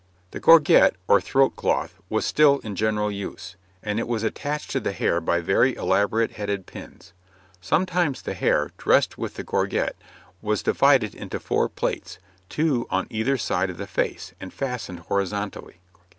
The gorget, or throat cloth, was still in general use, and it was attached to the hair by very elaborate headed pins. Sometimes the hair, dressed with the gorget, was divided into four plaits, two on either side of the face, and fastened horizontally.